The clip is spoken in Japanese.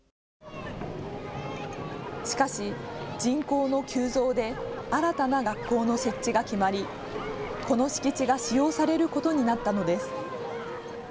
しかし、人口の急増で新たな学校の設置が決まりこの敷地が使用されることになったのです。